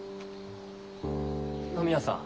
野宮さん。